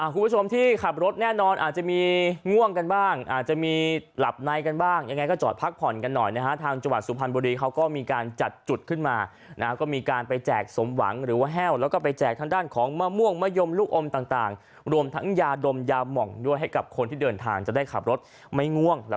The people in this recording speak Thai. คุณผู้ชมที่ขับรถแน่นอนอาจจะมีง่วงกันบ้างอาจจะมีหลับในกันบ้างยังไงก็จอดพักผ่อนกันหน่อยนะฮะทางจังหวัดสุพรรณบุรีเขาก็มีการจัดจุดขึ้นมานะฮะก็มีการไปแจกสมหวังหรือว่าแห้วแล้วก็ไปแจกทางด้านของมะม่วงมะยมลูกอมต่างรวมทั้งยาดมยาหม่องด้วยให้กับคนที่เดินทางจะได้ขับรถไม่ง่วงแล้ว